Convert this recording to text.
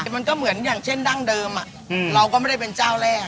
มันก็เหมือนอย่างเช่นดั้งเดิมเราก็ไม่ได้เป็นเจ้าแรก